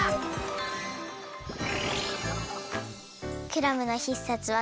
クラムの必殺技